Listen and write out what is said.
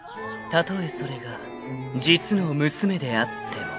［たとえそれが実の娘であっても］